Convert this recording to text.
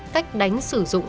cách đánh sử dụng